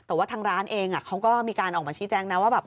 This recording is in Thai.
แต่ว่าทางร้านเองเขาก็มีการออกมาชี้แจงนะว่าแบบ